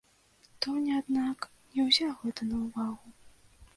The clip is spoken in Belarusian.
Тоня, аднак, не ўзяў гэта на ўвагу.